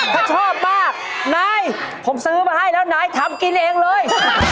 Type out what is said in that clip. ถ้าชอบมากนายผมซื้อมาให้แล้วนายทำกินเองเลย